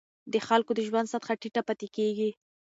د خلکو د ژوند سطحه ټیټه پاتې کېږي.